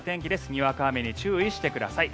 にわか雨に注意してください。